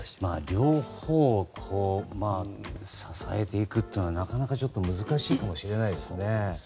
両方を支えていくというのはなかなか難しいかもしれないですね。